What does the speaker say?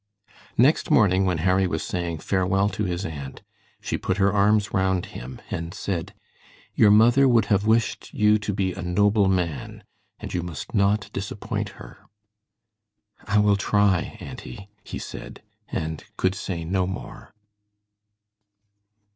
Next morning, when Harry was saying "Farewell" to his aunt, she put her arms round him, and said: "Your mother would have wished you to be a noble man, and you must not disappoint her." "I will try, auntie," he said, and could say no more.